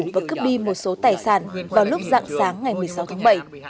và cướp đi một số tài sản vào lúc dạng sáng ngày một mươi sáu tháng bảy